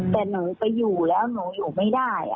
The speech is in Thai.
แต่หนูไปอยู่แล้วหนูอยู่ไม่ได้